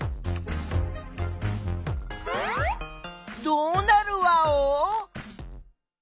どうなるワオ？